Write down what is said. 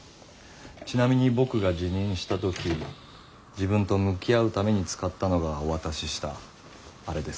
ちなみに僕が自認した時自分と向き合うために使ったのがお渡ししたあれです。